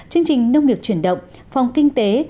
chương trình nông nghiệp chuyển động phòng kinh tế